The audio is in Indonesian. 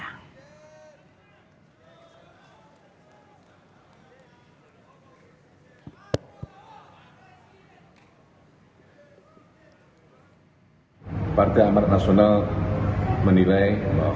pertama menteri gerindra ahmad muzani mengungkap syarat menjadi menteri di tangan presiden terpilih